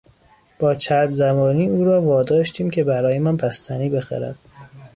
با چرب زبانی او را واداشتیم که برایمان بستنی بخرد.